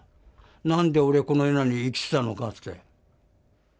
何で俺この世に生きてたのかって。